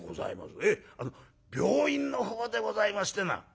ええ病院の方でございましてな」。